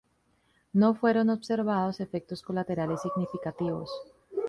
No fueron observados efectos colaterales significativos.